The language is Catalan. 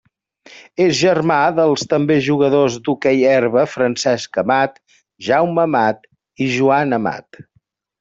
És germà dels també jugadors d'hoquei herba Francesc Amat, Jaume Amat i Joan Amat.